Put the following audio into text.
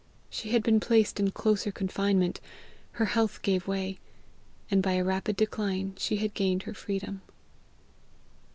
She had been placed in closer confinement, her health gave way, and by a rapid decline she had gained her freedom.